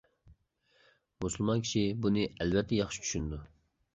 مۇسۇلمان كىشى بۇنى ئەلۋەتتە ياخشى چۈشىنىدۇ.